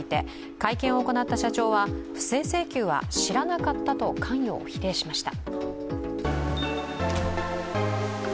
会見を行った社長、不正請求は知らなかったと関与を否定しました。